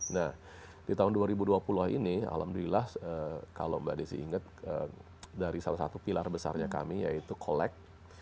nah di tahun dua ribu dua puluh ini alhamdulillah kalau mbak desi ingat dari salah satu pilar besarnya kami yaitu collect